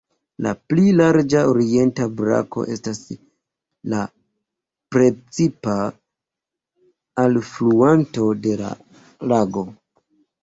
La pli larĝa orienta brako estas la precipa alfluanto de la lago.